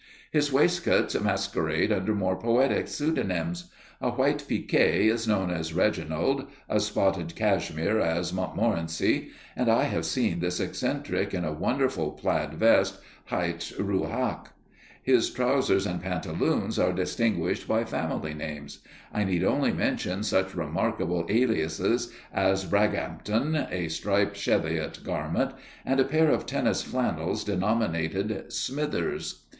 His waistcoats masquerade under more poetic pseudonyms. A white piqué is known as Reginald, a spotted cashmere is Montmorency, and I have seen this eccentric in a wonderful plaid vest hight Roulhac. His trousers and pantaloons are distinguished by family names; I need only mention such remarkable aliases as Braghampton, a striped cheviot garment, and a pair of tennis flannels denominated Smithers.